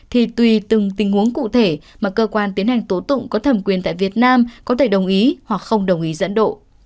thì tùy từng tình huống cụ thể mà cơ quan tiến hành tố tụng có thẩm quyền tại việt nam có thể đồng ý hoặc không đồng ý dẫn độ